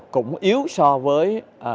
cũng yếu so với